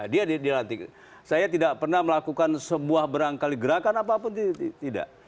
dia dilantik saya tidak pernah melakukan sebuah berangkali gerakan apapun tidak